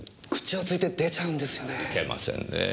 いけませんねぇ。